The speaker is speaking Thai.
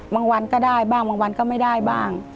วันก็ได้บ้างบางวันก็ไม่ได้บ้าง